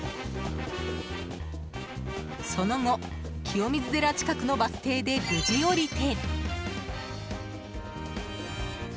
その後、清水寺近くのバス停で無事降りて。